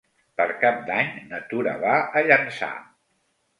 Per Cap d'Any na Tura va a Llançà.